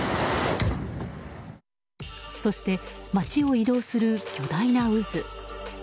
そして街を移動する巨大な渦。